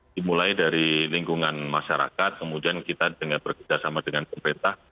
dimulai dari lingkungan masyarakat kemudian kita dengan bekerjasama dengan pemerintah